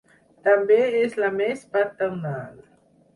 També és la més paternal.